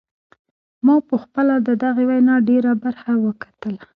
ما پخپله د دغې وینا ډیره برخه وکتله.